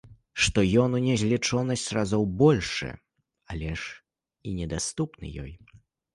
Што ён у незлічонасць разоў большы, але ж і недаступны ёй.